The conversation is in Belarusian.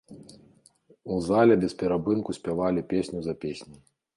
У зале без перапынку спявалі песню за песняй.